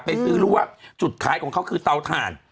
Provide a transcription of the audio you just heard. ไปซื้อรู้ว่าจุดขายของเขาคือเตาถ่าน